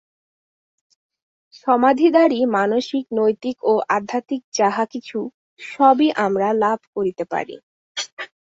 সমাধিদ্বারাই মানসিক, নৈতিক ও আধ্যাত্মিক যাহা কিছু সবই আমরা লাভ করিতে পারি।